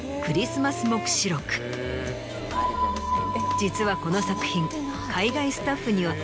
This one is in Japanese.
実はこの作品。